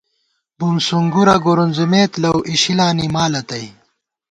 بُوم سُونگُورہ گُورُونزِمېت لؤ ، اِشِلانی مالہ تئ